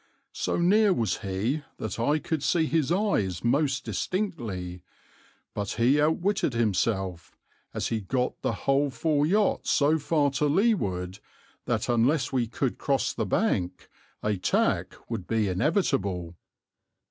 So near was he that I could see his eyes most distinctly, but he outwitted himself, as he got the whole four yachts so far to leeward that unless we could cross the bank a tack would be inevitable.